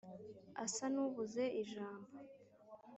asa n’ubuze ijambo